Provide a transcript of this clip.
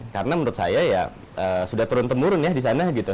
karena menurut saya ya sudah turun temurun ya di sana gitu